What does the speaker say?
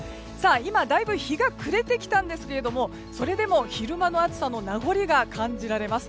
今だいぶ日が暮れてきたんですがそれでも昼間の暑さの名残が感じられます。